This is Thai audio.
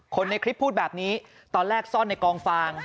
คนในคลิปพูดแบบนี้ตอนแรกซ่อนในกองฟาง